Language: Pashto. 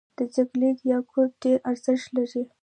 د جګدلک یاقوت ډیر ارزښت لري